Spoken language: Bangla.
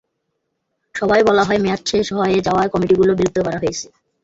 সভায় বলা হয়, মেয়াদ শেষ হয়ে যাওয়ায় কমিটিগুলো বিলুপ্ত করা হয়েছে।